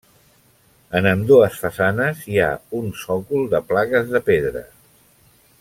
En ambdues façanes hi ha un sòcol de plaques de pedra.